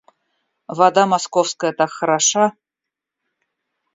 Вода московская так хороша.